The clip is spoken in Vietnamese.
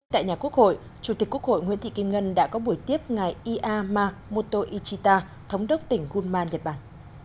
tại nhà quốc hội chủ tịch quốc hội nguyễn thị kim ngân đã có buổi tiếp ngày iyama motoichita thống đốc tỉnh gunma nhật bản